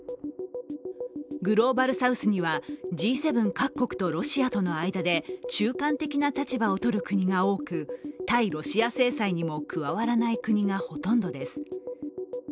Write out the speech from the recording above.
グローバルサウスにはＧ７各国とロシアとの間で中間的な立場をとる国が多く対ロシア制裁にも加わらない国がほとんどです。